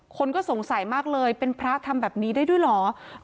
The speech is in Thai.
คนก็สงสัยมากเลยเป็นพระทำแบบนี้ได้ด้วยเหรอ